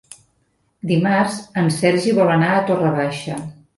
Dimarts en Sergi vol anar a Torre Baixa.